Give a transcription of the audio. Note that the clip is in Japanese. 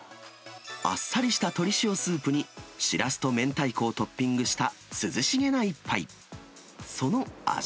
あっさりした鶏塩スープにしらすと明太子をトッピングした、涼しげな一杯。